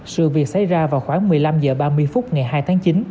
sự việc xảy ra vào khoảng một mươi năm h ba mươi phút ngày hai tháng chín